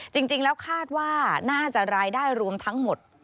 จริงแล้วคาดว่าน่าจะรายได้รวมทั้งหมด